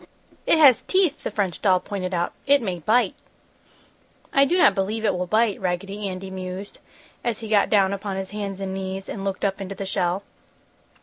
"It has teeth!" the French doll pointed out. "It may bite!" "I do not believe it will bite," Raggedy Andy mused, as he got down upon his hands and knees and looked up into the shell.